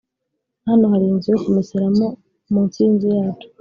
hano hari inzu yo kumeseramo munsi yinzu yacu